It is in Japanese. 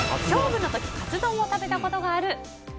勝負のときカツ丼を食べたことがある？